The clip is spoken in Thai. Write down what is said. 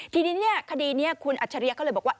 ทีนี้คดีนี้คุณอัจฉริยะก็เลยบอกว่า